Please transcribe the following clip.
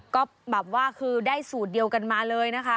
ก็แบบว่าคือได้สูตรเดียวกันมาเลยนะคะ